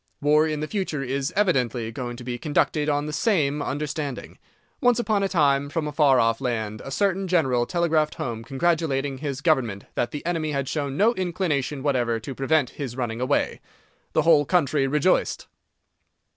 War in the future is evidently going to be conducted on the same understanding. Once upon a time, from a far off land, a certain general telegraphed home congratulating his Government that the enemy had shown no inclination whatever to prevent his running away. The whole country rejoiced.